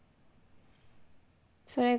それが？